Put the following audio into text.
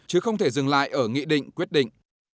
chứ không thể dừng lại ở nghị định quyết định